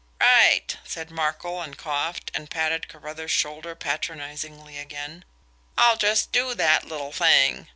"Right!" said Markel, and coughed, and patted Carruthers' shoulder patronisingly again. "I'll just do that little thing."